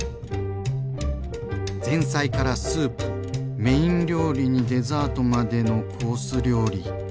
前菜からスープメイン料理にデザートまでのコース料理。